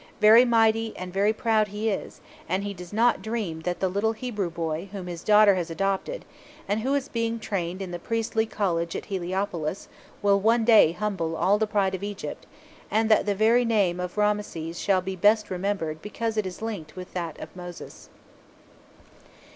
Very mighty and very proud he is; and he does not dream that the little Hebrew boy whom his daughter has adopted, and who is being trained in the priestly college at Heliopolis, will one day humble all the pride of Egypt, and that the very name of Ramses shall be best remembered because it is linked with that of Moses.